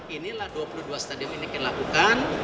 inilah dua puluh dua stadion ini yang dilakukan